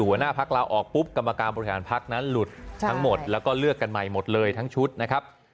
อยู่ทางหน้าภักราวออกปุ๊ปกรรมการบริษัทภัครนะหลุดทั้งหมดแล้วก็เลือกกันใหม่หมดเลยทั้งชุดนะครับ